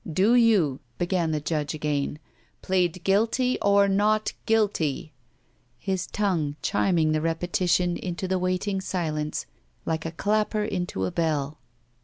Do you," began the judge again, "plead guilty or not guilty?" his tongue chiming the repetition into the waiting silence like a clapper into a bell.